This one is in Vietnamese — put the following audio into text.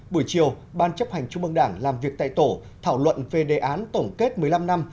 buổi chiều ban chấp hành trung mương đảng làm việc tại tổ thảo luận về đề án tổng kết một mươi năm năm